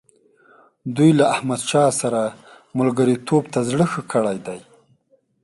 دوی له احمدشاه سره ملګرتوب ته زړه ښه کړی دی.